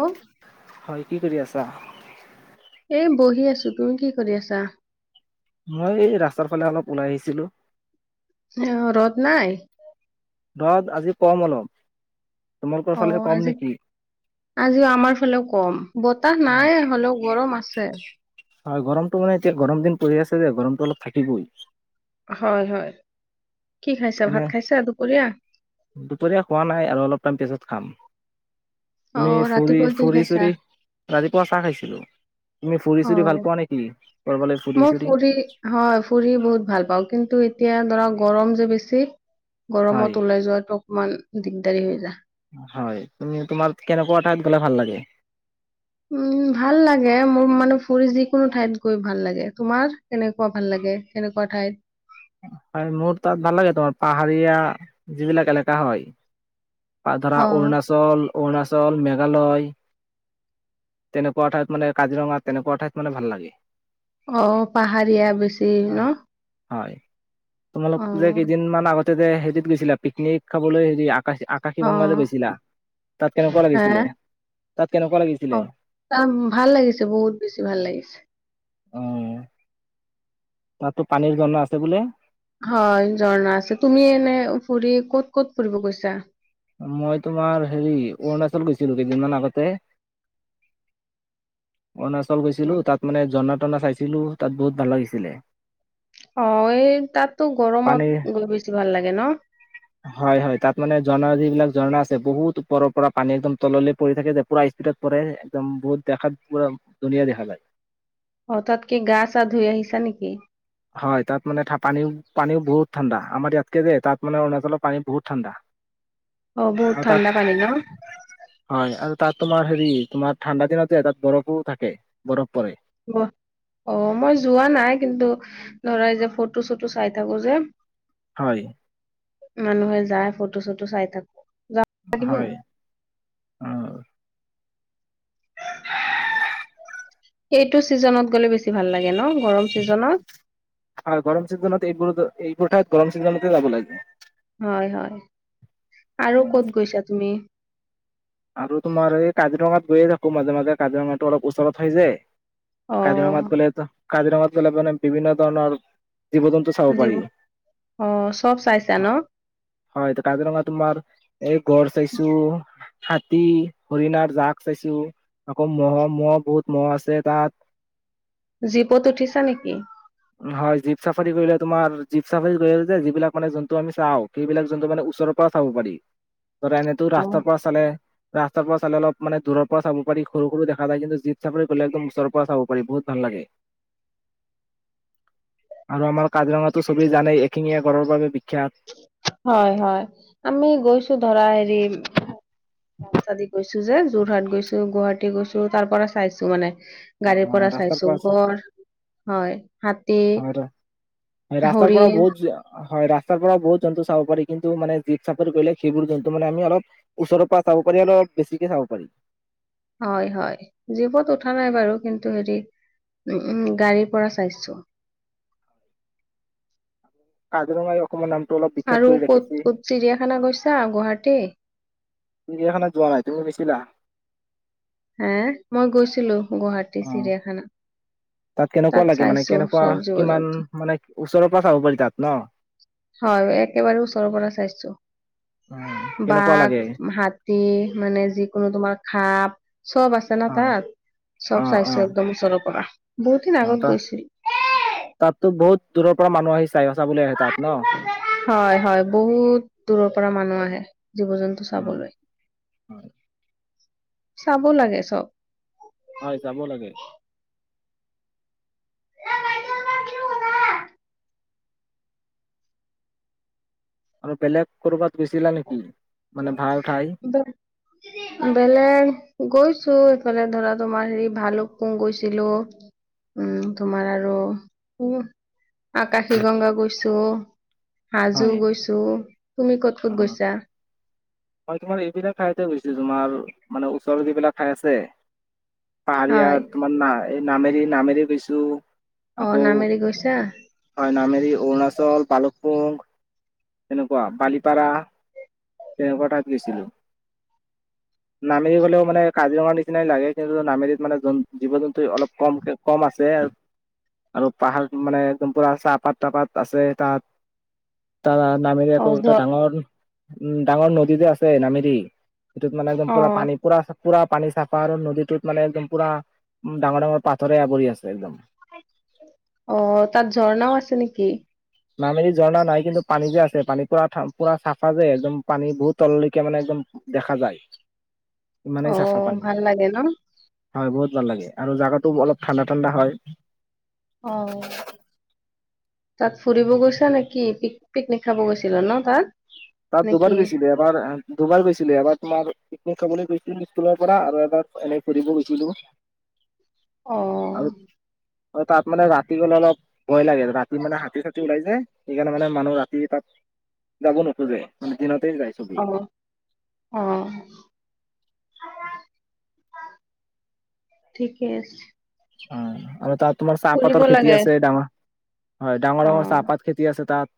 Hello হয় কি কৰি আছা। এ বহি আছো তুমি কি কৰি আছা। মই ৰাস্তাৰ ফালে অলপ ওলাই আহিছিলোঁ। অ' ৰ'দ নাই? ৰ'দ আজি কম অলপ। তোমালোকৰ ফালে অ', কম আজি নেকি? আজিও আমাৰ ফালেও কম বতাহ অ নাই হ'লেও গৰম আছে। হয় গৰমটো মানে এতিয়া গৰম দিন পৰি আছে যে, গৰমটো অলপ থাকিবই। হয়, হয়। কি খাইছা ভাত এনে খাইছা দুপৰীয়া খোৱা নাই আৰু অলপ টাইম পিছত খাম। অ তুমি ৰাতিপুৱা কি ফুৰি খাইছা চুৰি ৰাতিপুৱা চাহ খাইছিলোঁ। অ', মই ফুৰি হয়, ফুৰি বহুত ভাল পাওঁ কিন্তু এতিয়া ধৰা গৰম যে, বেছি হয় গৰমত ওলাই যোৱাটো অকমান দিকদাৰি হৈ যা। হয়, তুমি, তোমাৰ কেনেকোৱা ঠাইত গ'লে ভাল লাগে? উম, ভাল লাগে, মোৰ মানে ফুৰি যিকোনো ঠাইত গৈ ভাল লাগে। তোমাৰ কেনেকুৱা ভাল লাগে? কেনেকোৱা ঠাইত? হয়, মোৰ তাত ভাল লাগে, পাহাৰীয়া যিবিলাক এলেকা হয়। আৰু ধৰা অ অৰুণাচল অৰুণাচল, মেঘালয় তেনেকোৱা ঠাইত মানে, কাজিৰঙা তেনেকোৱা ঠাইত মানে ভাল লাগে। অ', পাহাৰীয়া বেছি আহ। ন? হয়। তোমালোক অ যে কেইদিনমান আগত তে, হেৰিত গৈছিলা পিকনিক খাবলৈ যি আক অ', তাত কেনেকুৱা হা, লাগিছিলে? তাত কেনেকুৱা লাগিছিলে? অ', তাত ভাল লাগিছে, বহুত বেছি ভাল লাগিছে। অ'। তাতো পানীৰ ঝৰ্ণা আছে বোলে। হয়, ঝৰ্ণা আছে। তুমি এনেই ফুৰি ক'ত-ক'ত ফুৰিব গৈছা? মই তোমাৰ হেৰি, অৰুণাচল গৈছিলো কেইদিনমান আ কতে [inaudible] অৰুণাচল গৈছিলো, তাত মানে ঝৰ্ণাত ঝৰ্ণা চাইছিলোঁ, তাত বহুত ভাল লাগিছিলে। অ', এই তাতো গৰমত, গৈ বেছি ভাল লাগে। লাগে ন? হয়-হয়, তাত মানে ঝৰ্ণা, যিবিলাক ঝৰ্ণা আছে, বহুত ওপৰৰ পৰা পানী একদম তললৈ পৰি থাকে যে পুৰা স্পীডত পৰে, একদম বহুত দেখাত পুৰা ধুনীয়া দেখা যায়। হঠাৎ কি গা চা ধুই আহিছা নেকি? হয়, তাত মানে পানী পানীও বহুত ঠাণ্ডা, আমাৰ ইয়াতকে যে তাত মানে অৰুণাচলৰ পানী বহুত ঠাণ্ডা। অ বহুত আৰু তাত, ঠাণ্ডা পানী ন হয় আৰু তাত তোমাৰ, হেৰি তোমাৰ ঠাণ্ডা দিনতো তাত বৰফো থাকে। বৰফ পৰে। অ', মই যোৱা নাই কিন্তু ধৰা এই যে ফটো চটো চাই থাকো যে। হয়। মানুহে যায় ফটো চটো চাই থাকো। যাব লাগিব হয়, অ'। এইটো চিজনত গ'লে বেছি ভাল লাগে ন? গৰম চিজনত [inaudible] আৰু গৰম চিজনত এইবোৰটো, এইবোৰ ঠাইত গৰম চিজনতে যাব লাগে। হয়-হয়। অ আৰু ক'ত গৈছা তুমি? আৰু তোমাৰ এই কাজিৰঙাত গৈয়ে থাকো মাজে-মাজে কাজিৰঙাতো অলপ ওচৰত হৈ যে। কাজিৰঙাত অ' গ'লেতো কাজিৰঙাত গ'লে মানে বিভিন্ন ধৰণৰ জীৱ জন্তু চাব পাৰি জীৱ অ' চব চাইছা ন হয়, কাজিৰঙা তোমাৰ এই গড় চাইছো হাতী, হৰিণাৰ জাক চাইছোঁ আকৌ, ম'হ ম'হ বহুত ম'হ আছে তাত। জীপত উঠিছা নেকি? হয়, জীপ ছাফাৰী কৰিলে তোমাৰ জীপ ছাফাৰী কৰিলে যে, যিবিলাক মানে জন্তু আমি চাওঁ, সেইবিলাক জন্তু মানে ওচৰৰ পৰা চাব পাৰি। এনেকুৱা অ' ৰাস্তাৰ পৰা চালে, ৰাস্তাৰ পৰা চালে অলপ মানে দূৰৰ পৰা চাব পাৰি, সৰু সৰু দেখা যায়। কিন্তু জীপ ছাফাৰী কৰিলে একদম ওচৰৰ পৰা চাব পাৰি, বহুত ভাল লাগে। আৰু আমাৰ কাজিৰঙাতো চবেই জানেই, একশিঙীয়া গঁড়ৰ বাবে বিখ্যাত। হয়, হয়, আমি গৈছোঁ ধৰা হেৰি [unintelligible] গৈছো যে, যোৰহাট গৈছো, গুৱাহাটী টি গৈছো, তাৰ পৰা চাইছো মানে। অ গাড়ীৰ পৰা ৰাস্তাৰ চাইছোঁ চা- গড় হয়, হাতী, হয় হয় ৰাস্তাৰ পৰা হৰিণ। বহুত জ- হয় ৰাস্তাৰ পৰা বহুত জন্তু চাব পাৰি। কিন্তু মানে জীপ ছাফাৰী কৰিলে সেইবোৰ জন্তু মানে আমি অলপ ওচৰৰ পৰা চাব পাৰি আৰু অলপ বেছিকৈ চাব পাৰি। হয়, হয়, জীপত উঠা নাই বাৰু কিন্তু হেৰি, উ গাড়ীৰ পৰা চাইছোঁ। কাজিৰঙাই অসমৰ নাম আৰু ক'ত ক'ত চিৰিয়াখানা গৈছা? গুৱাহাটী? চিৰিয়াখানাত যোৱা নাই, তুমি গৈছিলা? হে, মই গৈছিলো গুৱাহাটীৰ অ চিৰিয়াখানা। তাত কেনেকুৱা লাগে মানে? চাইছো কেনেকুৱা, চব জীৱ কিমান জন্তু মানে ওচৰৰ পৰা চাব পাৰি তাত? ন? হয়, একেবাৰে ওচৰৰ পৰা চাইছোঁ, অ কেনেকুৱা বাঘ, লাগে হাতী মানে যিকোনো তোমাৰ খাপ। চব আছে না হয় তাত, অ চব অ চাইছোঁ একদম ওচৰৰ পৰা। বহুত দিন অ আগত ত গৈছিলোঁ। তাততো বহুত দূৰৰ পৰা মানুহ আহিছ হয়, হয়, বহুত দূৰৰ পৰা মানুহ আহে জীৱ জন্তু অ চাবলৈ। হয় চাব লাগে চব। হয়, চাব লাগে। আৰু বেলেগ ক'ৰবাত গৈচিলা নেকি? মানে ভাল ঠাই বেলেগ গৈ চো এইফালে ধৰা তোমাৰ হেৰি, ভালুকপুং গৈছিলোঁ। উম, তোমাৰ আৰু আকাশী গংগা গৈছোঁ। হাজো হয় গৈছোঁ। তুমি ক'ত ক'ত অ গৈছা? মই তোমাৰ এইবিলাক ঠাইতে গৈছিলোঁ, তোমাৰ মানে ওচৰত যিবিলাক ঠাই আছে। হয় পাহাৰীয়া তোমাৰ নাই এই নামেৰি, নামেৰি গৈছো। অ আকৌ, নামেৰি গৈছা হয় নামেৰি অৰুণাচল, ভালুকপুং। তেনেকুৱা বালিপৰা, তেনেকুৱা টাইপ গৈছিলোঁ। নামেৰী গ'লেও মানে কাজিৰঙাৰ নিচিনাই লাগে, কিন্তু নামেৰীত মানে জীৱ-জন্তু অলপ কমকে কম আছে। আৰু পাহাৰ মানে একদম পুৰা চাহপাত টাহপাত আছে তাত। তাত নামেৰি অ আকৌ ঝ এটা ডাঙৰ উম, ডাঙৰ নদীযে আছে নামেৰি। সেইটোত মানে একদম অ পুৰা পানী পুৰা পুৰা পানী চাফা, আৰু নদীটোত মানে একদম পুৰা ডাঙৰ ডাঙৰ পাথৰে আৱৰি আছে একদম। অ', তাত ঝৰ্ণাও আছে নেকি? নামেৰীত ঝৰ্ণা নাই, কিন্তু পানী যে আছে, পানী পুৰা পুৰা চাফা যে একদম। পানী বহুত তললৈকে মানে একদম দেখা যায়। ইমানেই চাফা অ', পানী ভাল লাগে ন? হয় বহুত ভাল লাগে আৰু, জাগাটো অলপ ঠাণ্ডা, ঠাণ্ডা হয়। অ', তাত ফুৰিব গৈছা নেকি? পিকনিক খাব গৈছিলা ন তাত? তাত নেকি দুবাৰ গৈছিলো। এবাৰ দুবাৰ গৈছিলো এবাৰ তোমাৰ নিক খাবলৈ গৈছিলো স্কুলৰ পৰা আৰু, এবাৰ এনেই ফৰিব গৈছিলো অ'। আৰু তাত মানে ৰাতি গ'লে অলপ ভয় লাগে। ৰাতি মানে হাতী চাতী ওলাই যে, সেইকাৰণে মানে মানুহ ৰাতি তাত যাব নোৱাৰে টোৰে নিদিনত অ', অ। ঠিকে আছে। অ', আৰু তাত তোমাৰ ফুৰিব চাহপাতৰ খেতি লাগে আছে ডাঙৰ। হয়, ডাঙৰ অ ডাঙৰ চাহপাত খেতি আছে তাত।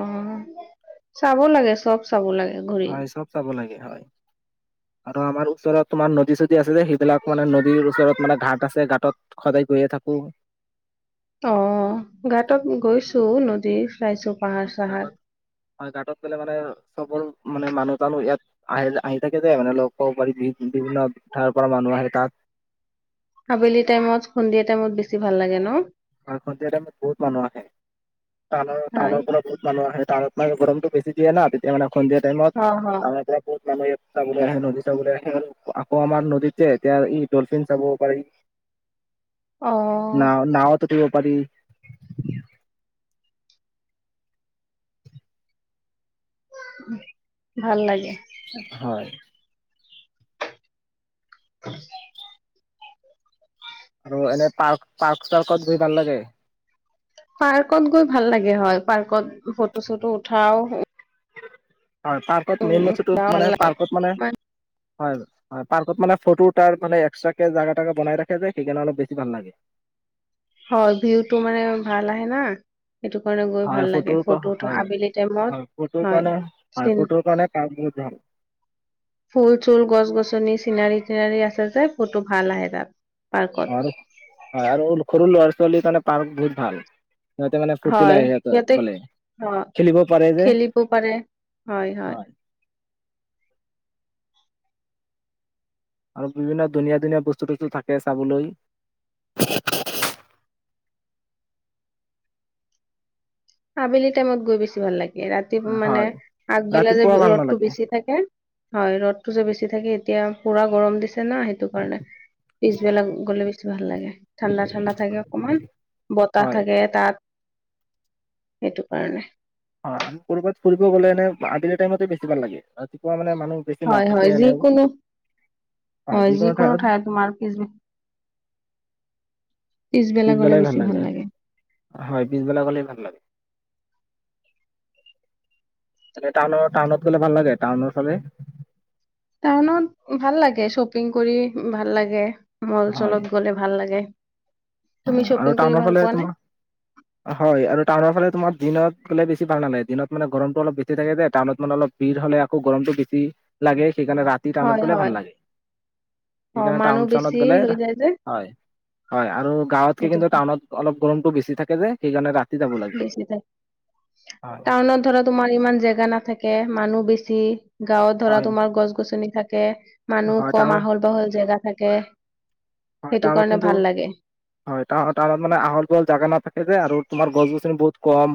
অ', চাব লাগে চব চাব লাগে। ঘূৰি হয়, চব চাব লাগে। হয় আৰু, আমাৰ ওচৰত তোমাৰ নদী চদী আছে যে সেইবিলাক মানে নদীৰ ওচৰত মানে ঘাট আছে ঘাটত সদায় গৈয়ে থাকো। অ', গাতত গৈছো নদীৰ। চাইছো পাহাৰ চাহাৰ। ঘাটত হয়, গতত গ'লে মানে চবৰ, মানে মানুহ চানুহ ইয়াত আহে আহি থাকে যে। মানে লগ পাব পাৰিবি, বিভিন্ন ঠাইৰ পৰা মানুহ আহে তাত। আাবেলি টাইমত, সন্ধিয়া টাইমত বেছি ভাল লাগে ন? হয় সন্ধিয়া টাইমত বহুত মানুহ আহে। টাউনৰ, হয় টাউনৰ পৰা বহুত মানুহ আহে, টাউনত মানে গৰম বেছি দিয় না, তেতিয়ানে অক সন্ধিয়া তাইমত অ অ আমাৰ মানুহ ইয়াত চাবলৈ আহে, নদী চাবলৈ আহে। আৰু আকৌ আমাৰ নদীত যে এতিয়া ডলফিন চাব পাৰি। অ না-নাওত উঠিব পাৰি। ভাল লাগে। হয়। [inaudible] আৰু এনে পাৰ্ক-পাৰ্ক-চাৰ্কত গৈ ভাল লাগে। পাৰ্কত গৈ ভাল লাগে হয় পাৰ্কত ফটো চটো উঠাও হো হয় পাৰ্কত মেইন বস্তুটো ভাল মানে লাগে পাৰ্কত মানে হয় - - হয় পাৰ্কত মানে ফটো তাৰ মানে এক্সট্ৰাকে জাগা তাগা বনাই ৰাখে যে সেইকাৰণে অলপ বেছি ভাল লাগে। হয় ভিউটো মানে ভাল আহে না। সেইটো কাৰণে গৈ হয় ভাল লাগে ফটোৰ ফটোটো হয় আবেলি টাইমত হয় - ফটোৰ হয় কাৰণে হয় চিন ফটোৰ কাৰণে পাৰ্ক বহুত ভাল ফুল চুল গছ গছনি চিনাৰি টিনাৰি আছে। [inaudible] ফটো ভাল আহে তাত পাৰ্কত [unintelligible] সৰু ল'ৰা ছোৱালীৰ কাৰণে পাৰ্ক বহুত ভাল। সিহঁতে মানে ফূৰ্তি হয় লয় সিহঁতৰ সিহঁতে গলে, অ খেলিব পাৰে যে, খেলিব পাৰে হয়। আৰু বিভিন্ন ধুনীয়া ধুনীয়া বস্তু তস্তু থাকে চাবলৈ [inaudible] আবেলি টাইমত গৈ বেছি ভাল লাগে। ৰাতিপ মানে হয় আগবেলা যে ৰাতিপুৱা ভাল ৰ'দটো নালাগে বেছি থাকে, হয় ৰ'দটো যে বেছি - - থাকে এতিয়া পুৰা গৰম দিছে। ন সেইটো কাৰণে পিছবেলা গ'লে বেছ্ - - ভাল লাগে। ঠাণ্ডা ঠাণ্ডা থাকে অকমান, বতাহ হয় থাকে তাত - - সেইটো কাৰণে। অ [unintelligible] ক'ৰবাত ফুৰিব গ'লে এনে আবেলি টাইমতে বেছি ভাল লাগে, ৰাতিপুৱা মানে - - হয় হয় যিকোনো, হয় যিকোনো ঠাই তোমাৰ পিছ - - পিছবেলাই ভাল লাগে, হয় পিছবেলা গ'লেই ভাল লাগে। এটাউনৰ, টাউনত গ'লে ভাল লাগে টাউনৰ ফালে। টাউনত ভাল লাগে শ্বপিং কৰি ভাল লাগে। মল হয় চলত গ'লে ভাল লাগে। তুমি আৰু শ্বপিং কৰি টাউনৰ ভাল ফালে পোৱা নে তোমাৰ, হয় আৰু টাউনৰ ফালে তোমাৰ দিনত - - গলে বেছি ভাল নালাগ দিনত মানে গৰমটো অলপ বেছি থাকে যে টাউনত মানে অলপ ভিৰ হলে আকৌ গৰমটো বেছি লাগে। সেইকাৰণে ৰাতি টাউনত হয় গ'লে ভাল হয় লাগে, অ সেইকাৰণে টাউন মানুহ চউনত বেছি গ'লে হৈ যায় যে হয়, হয় আৰু - - [unintelligible] সেইটো কিন্তু কাৰণে টাউনত অলপ গৰমটো বেছি থাকে যে সেইকাৰণে ৰা - - বেছি থাক, হয় টাউনত ধৰা তোমাৰ ইমান জেগা নাথাকে মানুহ বেছি - - জি - - গাঁৱত ধৰা হয় তোমাৰ গছ গছনি থাক - - তে - - মানুহ হয় কম টাউনত আহল বাহল জেগা থাকে। হয় সেইটো টাউনত কাৰণে কিন্তু ভাল লাগে হয়টা টাউনত মানে আহল বহল জাগা নাথাকে যে আৰু তোমাৰ গছ গছ বহুত কম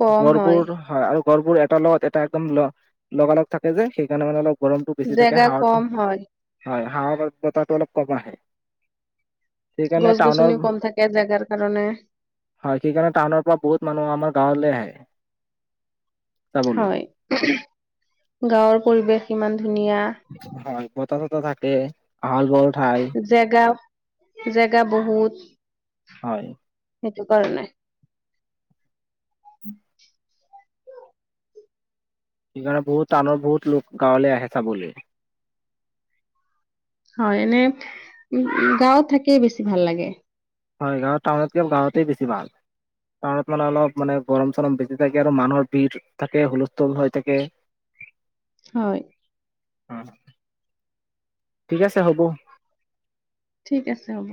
কম গৰ্বৰ হয় হায় আৰু ঘৰবোৰ এটা লগত এটা একদম লগা লগ থাকে যে সেইকাৰণে মানে অল গৰমটো বেছি থাকে জেগা হাটো কম হয় হয় হা বতাটো অলপ কম আহে সেইকাৰণে গছ টাউনৰ গছনিও কম থাকে জেগাৰ কাৰণে হয় সেইকাৰণে টাউনৰ পৰা বহুত মানুহ আমাৰ গাঁৱলে আহে চাবলৈ হয় গাঁৱৰ পৰিৱেশ কিমান হয় বতাহ ততা থাকে আহল বহল ঠাই জেগা জেগা বহুত, হয় টো কৰা নাই সেইকাৰণে বহুত টানৰ বহুত লোক গাঁৱলৈ আহে চাবলে হয় এনে উ গাঁৱত থাকেই বেছি ভাল লাগে হয় গাঁৱত টাউনতকে গাঁৱতেই বেছি ভাল টাউনত মানে অলপ মানে গৰম চৰম বেছি থাকে আৰু মানুহৰ ভিৰ থাকে হুলস্থুল হৈ থাকে হয়। অ' ঠিক আছে হ'ব ঠিক আছে হ'ব